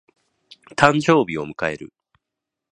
誕生日を迎える。